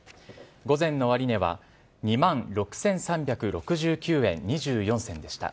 午前の終値は、２万６３６９円２４銭でした。